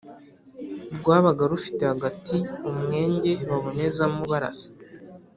rwabaga rufite hagati umwenge babonezamo barasa.